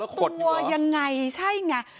มันขดตัวยังไงใช่ไง